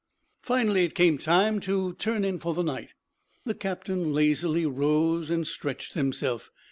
Finally it came time to turn in for the night. The captain lazily rose and stretched himself.